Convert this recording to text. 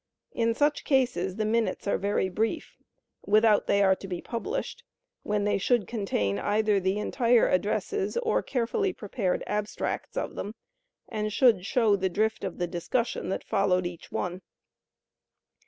In such cases the minutes are very brief, without they are to be published, when they should contain either the entire addresses or carefully prepared abstracts of them, and should show the drift of the discussion that followed each one.